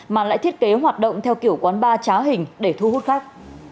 mà lại thiết kế hoạt động theo kiểu quán ba trá hình để thu hút khách